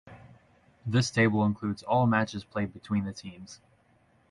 This table includes all matches played between the teams.